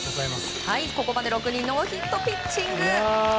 ここまで６人ノーヒットピッチング。